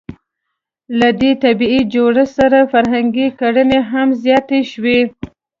له دې طبیعي جوړښت سره فرهنګي کړنې هم زیاتې شوې.